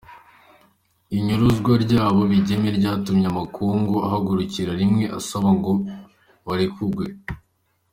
Inyuruzwa ry'abo bigeme ryatumye amakungu ahagurukira rimwe asaba ngo barekugwe.